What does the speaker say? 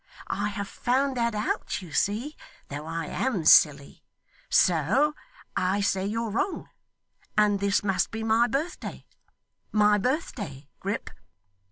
I have found that out, you see, though I am silly. So I say you're wrong; and this must be my birthday my birthday, Grip!